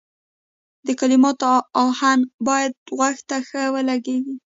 د کلماتو اهنګ باید غوږ ته ښه ولګیږي.